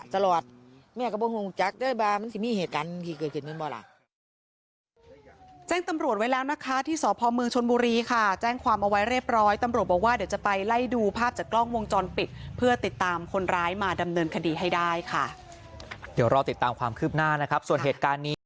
จากได้บ้างมันคือมีเหตุการณ์มันคือเกิดขึ้นหนึ่งบ้างล่ะ